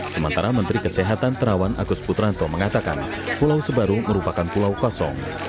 sementara menteri kesehatan terawan agus putranto mengatakan pulau sebaru merupakan pulau kosong